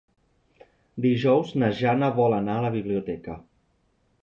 Dijous na Jana vol anar a la biblioteca.